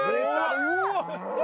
うわっ！